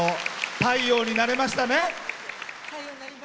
太陽になれました。